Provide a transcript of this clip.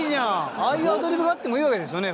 ああいうアドリブがあってもいいわけですよね？